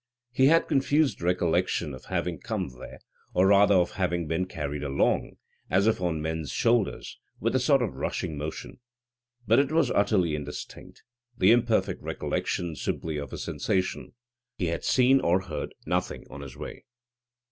He had a confused recollection of having come there, or rather of having been carried along, as if on men's shoulders, with a sort of rushing motion. But it was utterly indistinct; the imperfect recollection simply of a sensation. He had seen or heard nothing on his way.